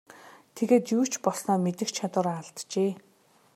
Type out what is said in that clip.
Тэгээд юу ч болсноо мэдэх чадвараа алджээ.